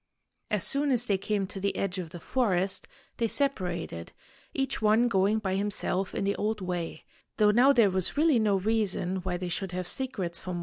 As soon as they came to the edge of the forest, they separated, each one going by himself in the old way, though now there was really no reason why they should have secrets from one another.